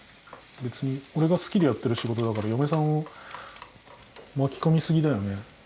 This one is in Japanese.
別に俺が好きでやってる仕事だから嫁さんを巻き込みすぎだよね。